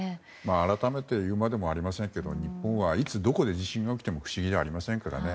改めて言うまでもありませんが日本はいつどこで地震が起きても不思議じゃありませんからね。